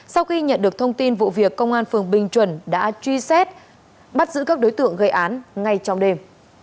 sau khi nhận được thông tin vụ việc công an phường bình chuẩn đã truy xét bắt giữ các đối tượng gây án ngay trong đêm